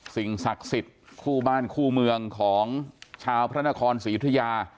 สิ่งศักดิ์สิทธิ์คู่บ้านคู่เมืองของชาวพระนครศรียุธยา